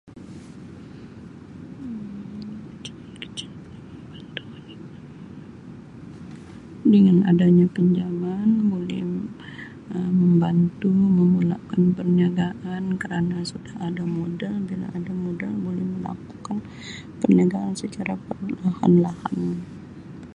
Um [unintelligible] Dengan ada nya pinjaman boleh Um membantu memulakan perniagaan kerana sudah ada modal bila ada modal boleh melakukan perniagaan secara perlahan lahan.